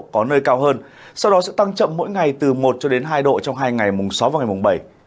có nơi cao hơn sau đó sẽ tăng chậm mỗi ngày từ một hai độ trong hai ngày mùng sáu và mùng bảy